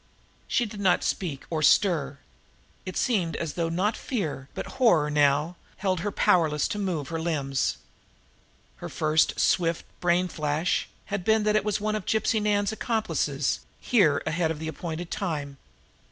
She did not speak, or stir. It seemed as though not fear, but horror now, held her powerless to move her limbs. Her first swift brain flash had been that it was one of Gypsy Nan's accomplices here ahead of the appointed time.